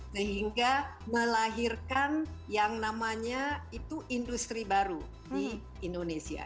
sehingga melahirkan yang namanya itu industri baru di indonesia